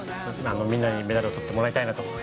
みんなにメダルを取ってもらいたいなと。